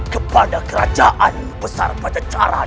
kepada kerajaan besar pajajaran